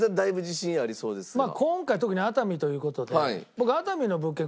今回特に熱海という事で僕。